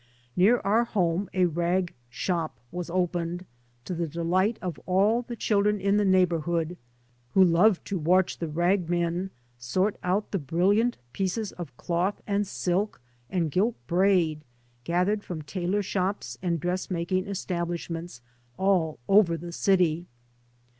Near our home a rag shop was opened, to the delight of all the children in the neigh bourhood, who loved to watch the rag men sort out the brilliant pieces of cloth and silk and gilt braid gathered from tailor shops and dressmaking establishments all over the city.